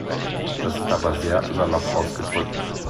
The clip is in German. Das ist aber sehr salopp ausgedrückt.